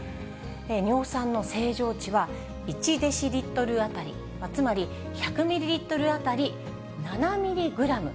尿酸の正常値は、１デシリットル当たり、つまり１００ミリリットル当たり７ミリグラム。